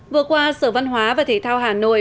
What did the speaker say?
vừa qua sở văn hóa và thể thao hà nội